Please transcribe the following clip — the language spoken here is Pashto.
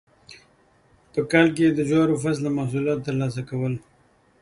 په کال کې یې د جوارو فصله محصولات ترلاسه کول.